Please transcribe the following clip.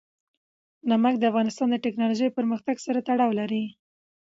نمک د افغانستان د تکنالوژۍ پرمختګ سره تړاو لري.